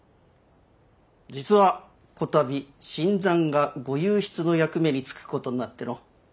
実はこたび新参が御右筆の役目につくことになっての。